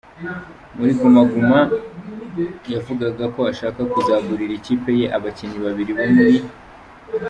muri Guma Guma yavugaga ko ashaka kuzagurira ikipe ye abakinnyi babiri bo muri.